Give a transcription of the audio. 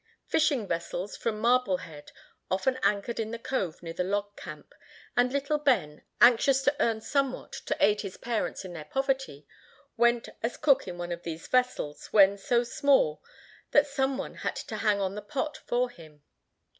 Fishing vessels from Marblehead often anchored in the cove near the log camp, and little Ben, anxious to earn somewhat to aid his parents in their poverty, went as cook in one of these vessels when so small that some one had to hang on the pot for him.